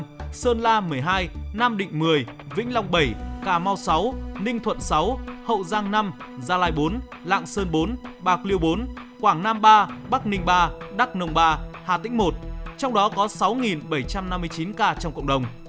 một mươi bảy bến tre một mươi bảy bình định một mươi năm sơn la một mươi hai nam định một mươi vĩnh long bảy cà mau sáu ninh thuận sáu hậu giang năm gia lai bốn lạng sơn bốn bạc liêu bốn quảng nam ba bắc ninh ba đắk nồng ba hà tĩnh một trong đó có sáu bảy trăm năm mươi chín ca trong cộng đồng